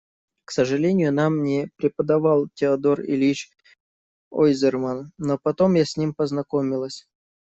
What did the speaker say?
К сожалению, нам не преподавал Теодор Ильич Ойзерман, но потом я с ним познакомилась.